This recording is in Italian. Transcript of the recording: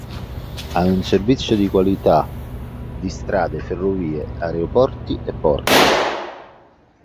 Ha un servizio di qualità di strade, ferrovie, aeroporti e porti.